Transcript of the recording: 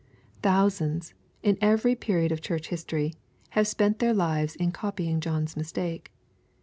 Thousands, in every period of Church history, have spent their lives in copying John's mistake.